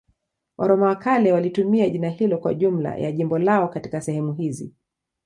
Waroma wa kale walitumia jina hilo kwa jumla ya jimbo lao katika sehemu hizi.